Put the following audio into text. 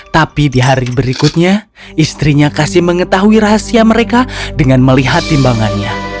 tapi di hari berikutnya istrinya kasim mengetahui rahasia mereka dengan melihat timbangannya